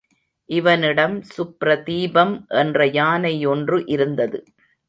இவனிடம் சுப்ரதீபம் என்ற யானை ஒன்று இருந்தது.